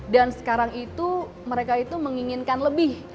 dan sekarang itu mereka itu menginginkan lebih